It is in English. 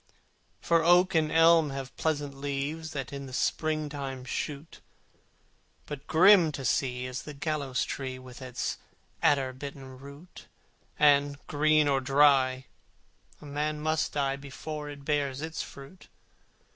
The oak and elm have pleasant leaves That in the spring time shoot: But grim to see is the gallows tree, With its alder bitten root, And, green or dry, a man must die Before it bears its fruit!